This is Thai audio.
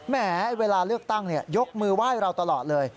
แหมเวลาเลือกตั้งยกมือไหว้เราตลอดเลย